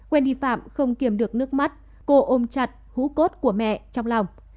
wendy phạm không kiềm được nước mắt cô ôm chặt hữu cốt của mẹ trong lòng